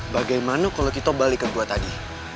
bagaimana kalau kita balik ke dua tadi